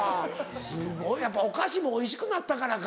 すごいやっぱお菓子もおいしくなったからか。